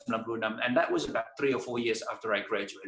dan itu adalah tiga atau empat tahun setelah saya berpengajuan